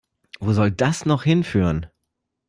Wo soll das noch hinführen?